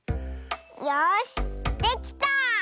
よしできた！